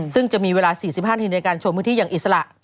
ซึ่งจะมีเวลา๔๕นาทีในการชมพื้นที่อย่างอิสระ